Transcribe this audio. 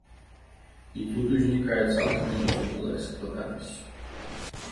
І тут узнікае цалкам зразумелая складанасць.